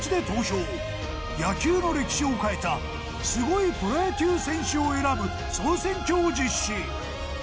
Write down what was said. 野球の歴史を変えたすごいプロ野球選手を選ぶ総選挙を実施。